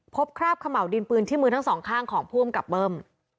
พบคราบขะเหมาดินปืนที่มือทั้งสองข้างของภูมิกับเบิ้ม